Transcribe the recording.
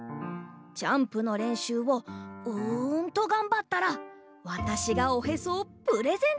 ジャンプのれんしゅうをうんとがんばったらわたしがおへそをプレゼントしてあげよう。